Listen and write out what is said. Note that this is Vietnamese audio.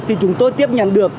thì chúng tôi tiếp nhận được